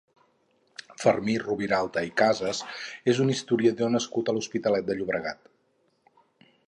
Fermí Rubiralta i Casas és un historiador nascut a l'Hospitalet de Llobregat.